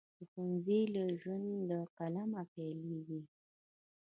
د ښوونځي ژوند له قلمه پیلیږي.